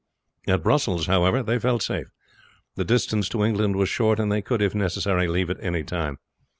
At Brussels, however, they felt safe; the distance to England was short, and they could, if necessary, leave at any time.